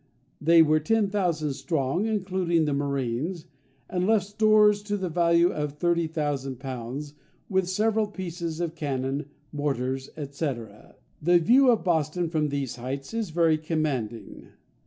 They were ten thousand strong, including the marines; and left stores to the value of 30,000_l._ with several pieces of cannon, mortars, &c. &c. The view of Boston from these heights is very commanding.